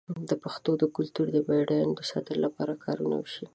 د پښتو د کلتور د بډاینو د ساتنې لپاره کارونه وشي.